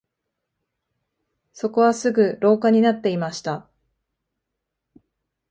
そこはすぐ廊下になっていました